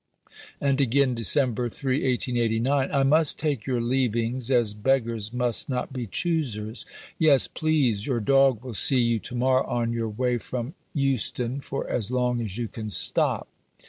And again (Dec. 3, 1889): "I must take your leavings, as beggars must not be choosers. Yes, please, your dog will see you to morrow on your way from Euston for as long as you can stop."